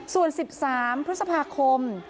ส่วน๑๓พฤษภาคม